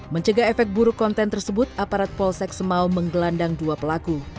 mencegah efek buruk konten tersebut aparat polsek semau menggelandang dua pelaku